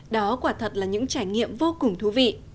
đó quả thật là những trải nghiệm vô cùng thú vị